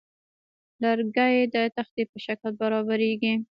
لرګی د تختې په شکل برابریږي.